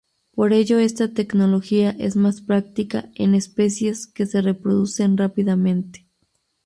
Por ello esta tecnología es más practica en especies que se reproducen rápidamente.